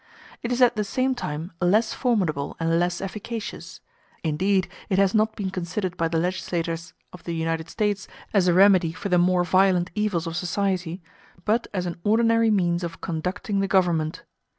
It is at the same time less formidable and less efficacious; indeed, it has not been considered by the legislators of the United States as a remedy for the more violent evils of society, but as an ordinary means of conducting the government.